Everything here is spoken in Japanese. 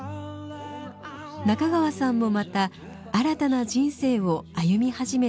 中川さんもまた新たな人生を歩み始めています。